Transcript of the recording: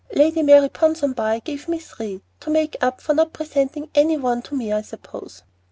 Lady Mary Ponsonby gave me three, to make up for not presenting any one to me, I suppose."